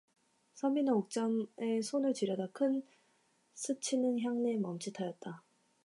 선비는 옥점의 손을 쥐려다 물큰 스치는 향내에 멈칫하였다.